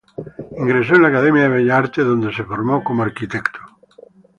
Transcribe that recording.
Ingresó en la Academia de Bellas Artes, donde se formó como arquitecto.